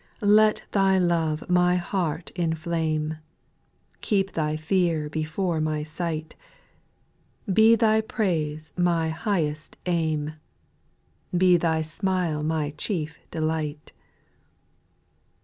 2. Let Thy love my heart inflame ; Keep Thy fear before my sight ; Be Thy praise my highest aim ; Be Thy smile my chief delight.